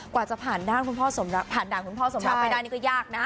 กว่าจะผ่านด่างคุณพ่อสมรับไปได้นี่ก็ยากนะ